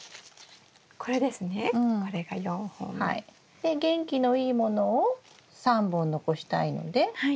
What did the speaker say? で元気のいいものを３本残したいので？